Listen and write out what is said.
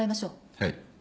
はい。